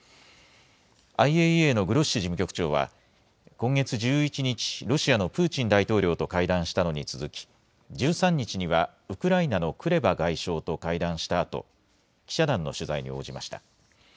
ＩＡＥＡのグロッシ事務局長は今月１１日、ロシアのプーチン大統領と会談したのに続き１３日にはウクライナのクレバ外相と会談したあと記者団の取材に応じました。